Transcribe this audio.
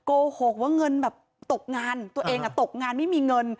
โกหกว่าเงินแบบตกงานตัวเองตกงานไม่มีเงิน